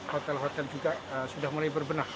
hotel hotel juga sudah mulai berbenah